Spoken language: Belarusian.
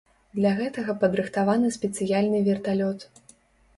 Для гэтага падрыхтаваны спецыяльны верталёт.